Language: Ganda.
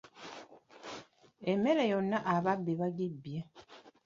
Emmere yonna ababbi bagibbye.